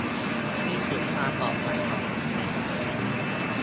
-คิดถึงความปลอดภัยของคนใช้ถนน